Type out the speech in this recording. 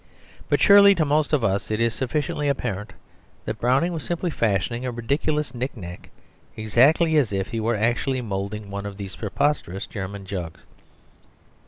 But surely to most of us it is sufficiently apparent that Browning was simply fashioning a ridiculous knick knack, exactly as if he were actually moulding one of these preposterous German jugs.